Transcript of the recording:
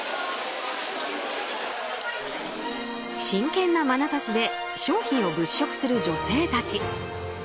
真剣なまなざしで商品を物色する女性たち。